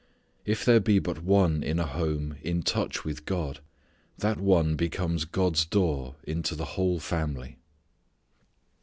If there be but one in a home in touch with God, that one becomes God's door into the whole family.